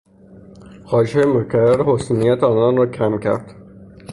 خواهشهای مکرر حسن نیت آنان را کم کرد.